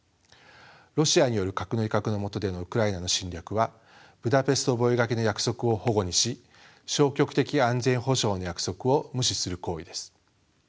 ロシアによる核の威嚇の下でのウクライナの侵略はブダペスト覚書の約束を反故にし消極的安全保証の約束を無視する行為です。